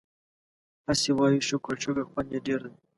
هسې وايو شکر شکر خوند يې ډېر دی